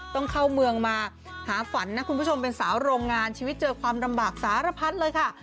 ต้องเข้าเมืองมาหาฝันนะคุณผู้ชมเป็นสาวโรงงานชีวิตเจอความลำบากสารพัดเลยค่ะ